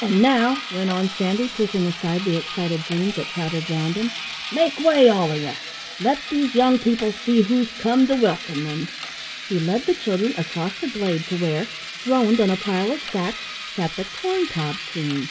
"And now," went on Sandy, pushing aside the excited dreams that crowded round him, "make way, all of you! Let these young people see who's come to welcome them." He led the children across the glade to where, throned on a pile of sacks, sat the Corn cob Queen!